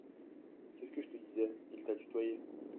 Qu’est-ce que je te disais ! il t’a tutoyé.